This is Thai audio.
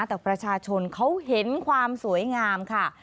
แต่ประชาชนเขาเห็นความสวยงามค่ะ